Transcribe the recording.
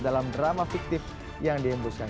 dalam drama fiktif yang dihembuskan